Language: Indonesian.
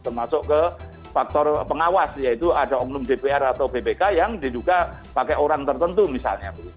termasuk ke faktor pengawas yaitu ada oknum dpr atau bpk yang diduga pakai orang tertentu misalnya